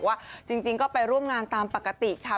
ว่าจริงก็ไปร่วมงานตามปกติค่ะ